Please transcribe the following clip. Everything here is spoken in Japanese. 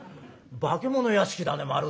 化け物屋敷だねまるで」。